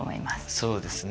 そうですね。